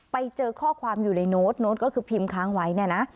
ไปเจอข้อความอยู่ในโน้ตโน้ตก็คือพิมพ์ค้างไว้เนี่ยนะ